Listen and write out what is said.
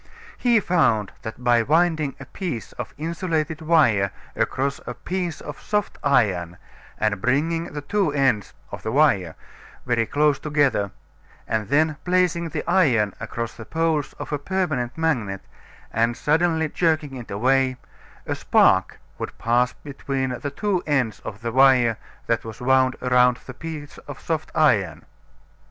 He found that by winding a piece of insulated wire around a piece of soft iron and bringing the two ends (of the wire) very close together, and then placing the iron across the poles of a permanent magnet and suddenly jerking it away, a spark would pass between the two ends of the wire that was wound around the piece of soft iron.